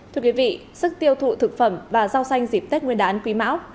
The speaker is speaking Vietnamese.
thưa quý vị sức tiêu thụ thực phẩm và rau xanh dịp tết nguyên đán quý mão hai nghìn hai mươi ba